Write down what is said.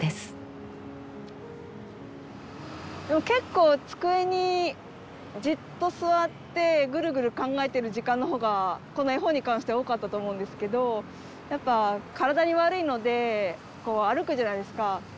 結構机にじっと座ってぐるぐる考えてる時間の方がこの絵本に関しては多かったと思うんですけどやっぱ体に悪いのでこう歩くじゃないですか。